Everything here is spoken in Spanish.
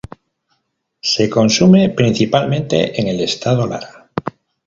Se consume principalmente en el estado Lara.